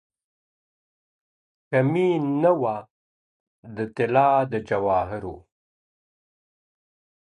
کمی نه وو د طلا د جواهرو.